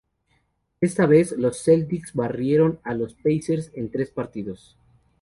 Esta vez, los Celtics barrieron a los Pacers en tres partidos.